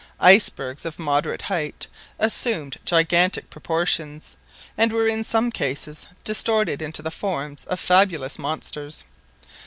Icebergs of moderate height assumed gigantic proportions, and were in some cases distorted into the forms of fabulous monsters.